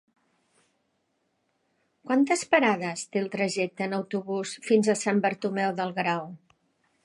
Quantes parades té el trajecte en autobús fins a Sant Bartomeu del Grau?